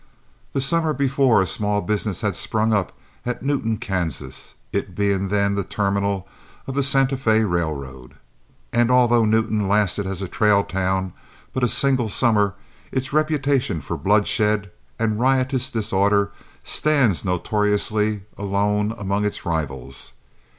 The summer before a small business had sprung up at Newton, Kansas, it being then the terminal of the Santa Fé Railway. And although Newton lasted as a trail town but a single summer, its reputation for bloodshed and riotous disorder stands notoriously alone among its rivals.